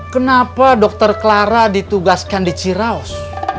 kenapa dokter clara ditugaskan di ciraus